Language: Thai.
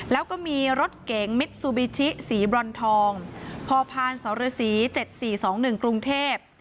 แล้วก็มีรถเก๋งมิสซูบิชิสีบรอนทองพอพาลสหรษีเจ็ดสี่สองหนึ่งกรุงเทพฯ